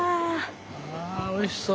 ああおいしそう。